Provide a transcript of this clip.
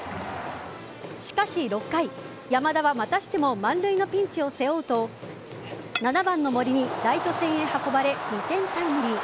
しかし６回山田はまたしても満塁のピンチを背負うと７番の森にライト線へ運ばれ２点タイムリー。